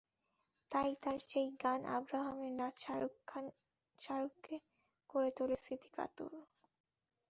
তাই তাঁর সেই গানে আব্রামের নাচ শাহরুখকে করে তোলে স্মৃতিকাতর।